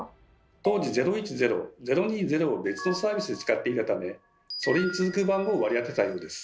当時「０１０」「０２０」を別のサービスで使っていたためそれに続く番号を割り当てたようです。